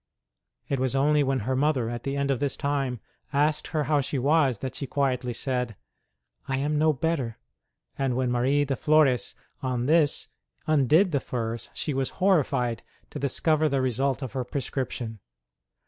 It was only when her mother, at the end of this time, asked her how she was, that she quietly said, I am no better ; and when Marie de Flores, on this, undid the furs, she was horrified to discover the result of her prescription.